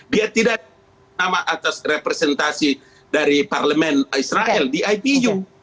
dia tidak nama atas representasi dari parlemen israel di ipu